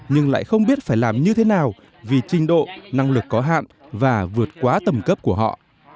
nhưng lại không biết phải làm như thế nào vì trình độ năng lực có hạn và vượt quá tầm cấp của họ